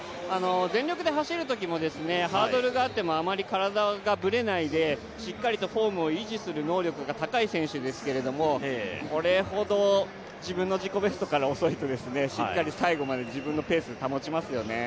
全力で走るときもハードルがあってもあまり体がぶれないで、しっかりとフォームを維持する能力が高い選手ですけれども、これほど自分の自己ベストから遅いとしっかり、最後まで自分のペースを保ちますよね。